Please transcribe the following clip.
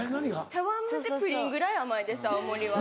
茶わん蒸しプリンぐらい甘いです青森は。